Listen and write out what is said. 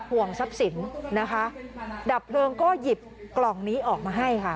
ห่วงทรัพย์สินนะคะดับเพลิงก็หยิบกล่องนี้ออกมาให้ค่ะ